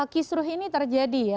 kisruh ini terjadi